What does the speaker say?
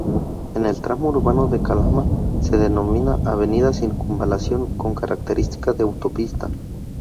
En el tramo urbano de Calama se denomina avenida Circunvalación, con característica de autopista.